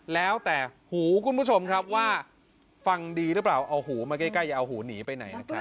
แล้วแต่หูคุณผู้ชมครับว่าฟังดีหรือเปล่าเอาหูมาใกล้อย่าเอาหูหนีไปไหนนะครับ